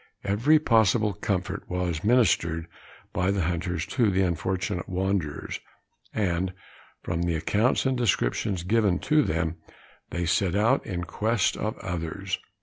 Every possible comfort was ministered by the hunters to the unfortunate wanderers, and, from the accounts and description given to them, they set out in quest of the others.